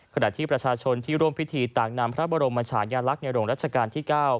ขณะที่ประชาชนที่ร่วมพิธีต่างนำพระบรมชายลักษณ์ในหลวงรัชกาลที่๙